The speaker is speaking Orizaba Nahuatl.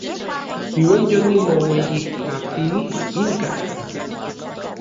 Iuan yonimoueyijkatilij inka.